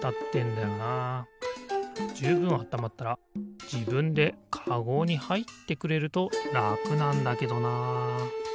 じゅうぶんあったまったらじぶんでカゴにはいってくれるとらくなんだけどな。